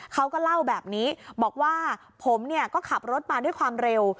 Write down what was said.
เขาก็เล่าแบบนี้บอกว่าผมเนี่ยก็ขับรถมาด้วยความเร็ว